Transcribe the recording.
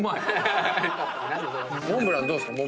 モンブランどうですか？